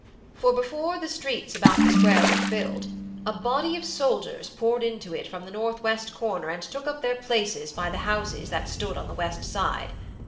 "For before the streets about the Square were filled, a body of soldiers poured into it from the north west corner and took up their places by the houses that stood on the west side.